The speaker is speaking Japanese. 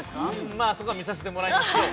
◆まあ、そこは見させてもらいましょう。